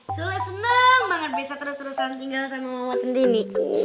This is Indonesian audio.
sule seneng banget bisa terus terusan tinggal sama mama tentini